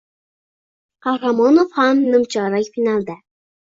Qahramonov ham nimchorak finalda